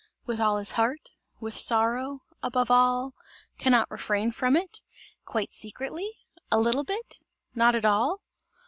With all his heart? With sorrow? Above all? Can not refrain from it? Quite secretly? A little bit? Not at all?"